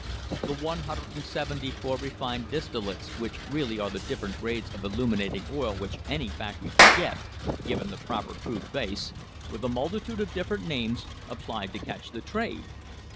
The 174 refined distillates are really the different grades of illuminat ing oil which any factory can get, given the proper crude base, with a multitude of different names applied to catch the trade.